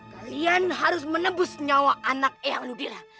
kalian harus menembus nyawa anak eyang ludira